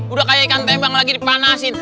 udah kayak ikan tempeng lagi dipanasin